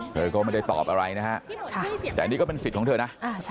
เธอก็ไม่ได้ตอบอะไรนะฮะแต่อันนี้ก็เป็นสิทธิ์ของเธอนะ